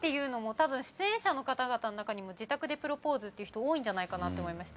たぶん出演者の方々の中にも自宅でプロポーズっていう人多いんじゃないかなって思いました。